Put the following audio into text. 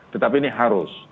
tetapi ini harus